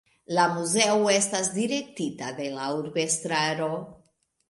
La muzeo estas direktita de la urbestraro.